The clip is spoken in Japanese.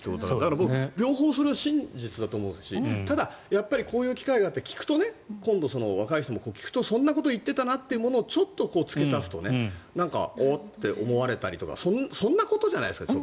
僕、両方それは真実だと思うしただ、こういう機会があって今度、若い人も聞くとそんなことも言っていたなということをちょっと付け足すとお！って思われたりとかそんなことじゃないですか。